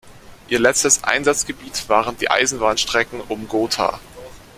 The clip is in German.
Ihr letztes Einsatzgebiet waren die Eisenbahnstrecken um Gotha.